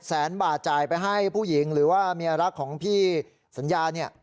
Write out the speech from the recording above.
แสนบาทจ่ายไปให้ผู้หญิงหรือว่าเมียรักของพี่สัญญาเนี่ย